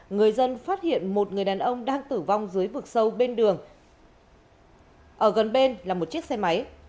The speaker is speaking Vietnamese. người dân phát hiện một người đàn ông đang tử vong dưới vực sâu bên đường ở gần bên là một chiếc xe máy